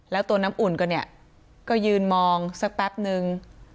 แล้วตัวน้ำอุ่นก็ยืนมองสักแป๊บนึง